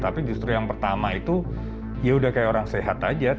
tapi justru yang pertama itu yaudah kayak orang sehat aja